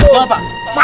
pak pak pak